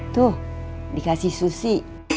tuh dikasih susi